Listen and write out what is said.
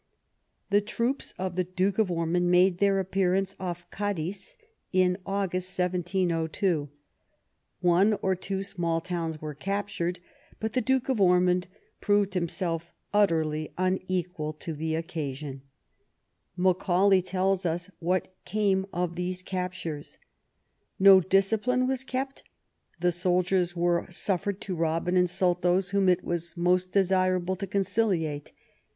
The troops of the Duke of Ormond made their ap pearance off Cadiz in August, 1702. One or two small towns were captured, but the Duke of Ormond proved himself utterly unequal to the occasion; Macaulay tells us what came of these captures. '^ No discipline was kept ; the soldiers were suffered to rob and insult those whom it was most desirable to conciliate.